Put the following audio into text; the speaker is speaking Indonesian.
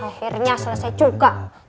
akhirnya selesai juga